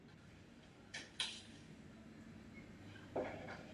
Vyvážela je i do Německa.